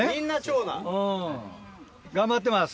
うん頑張ってます。